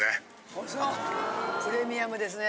プレミアムですね。